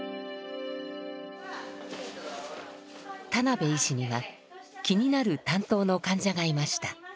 田邉医師には気になる担当の患者がいました。